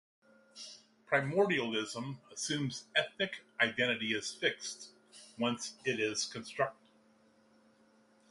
"Primordialism assumes ethnic identity as fixed, once it is constructed".